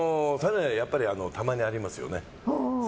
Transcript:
やっぱりたまにありますよね。